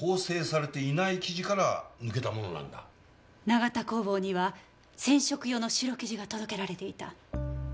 永田工房には染色用の白生地が届けられていた。